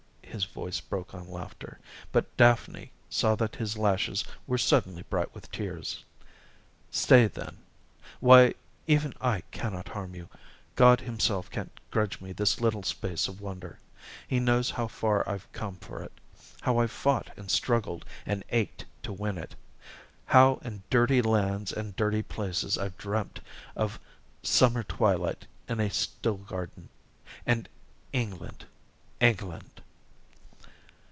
His voice broke on laughter, but Daphne saw that his lashes were suddenly bright with tears. "Stay, then why, even I cannot harm you. God himself can't grudge me this little space of wonder he knows how far I've come for it how I've fought and struggled and ached to win it how in dirty lands and dirty places I've dreamed of summer twilight in a still garden and England, England!"